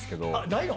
ないの？